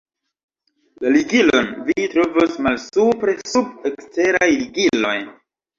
La ligilon vi trovos malsupre sub "Eksteraj ligiloj".